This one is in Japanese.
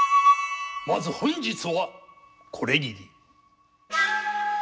まず本日はこれぎり。